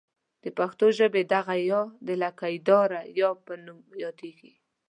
د پښتو ژبې دغه ۍ د لکۍ داره یا په نوم یادیږي.